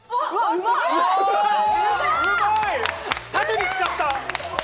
すごい！縦に使った。